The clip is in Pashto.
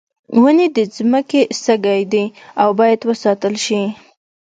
ونې د ځمکې سږی دي او باید وساتل شي.